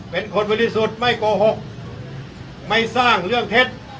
เป็นคนบริสุทธิ์ไม่โกหกไม่สร้างเรื่องเท็จ